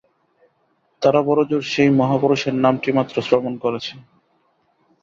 তারা বড়জোর সেই মহাপুরুষের নামটি মাত্র শ্রবণ করেছে।